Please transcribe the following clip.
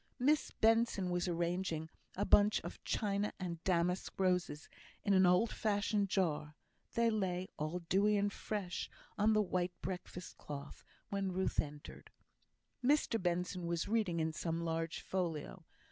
Miss Benson was arranging a bunch of China and damask roses in an old fashioned jar; they lay, all dewy and fresh, on the white breakfast cloth when Ruth entered. Mr Benson was reading in some large folio.